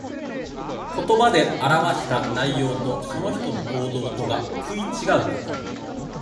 言葉で表した内容と、その人の行動とが食い違うこと。